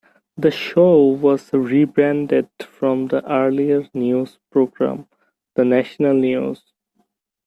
The show was rebranded from the earlier news program "The National News".